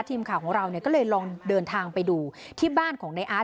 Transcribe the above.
ทีมข่าวของเราเนี่ยก็เลยลองเดินทางไปดูที่บ้านของในอาร์ต